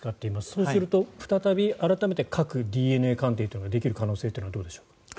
そうすると再び、改めて核ＤＮＡ鑑定というのができる可能性というのはどうでしょう？